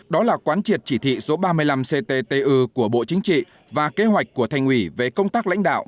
đó là quán triệt chỉ thị số ba mươi năm cttu của bộ chính trị và kế hoạch của thành ủy về công tác lãnh đạo